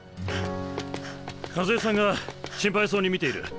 和枝さんが心配そうに見ている。